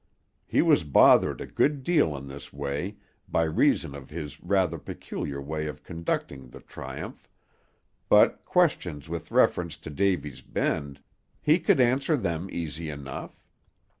He was bothered a good deal in this way, by reason of his rather peculiar way of conducting the Triumph; but questions with reference to Davy's Bend, he could answer them easy enough.